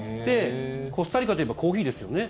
コスタリカといえばコーヒーですよね。